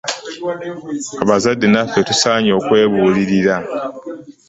Abazadde naffe tusaanye okwebuulirira.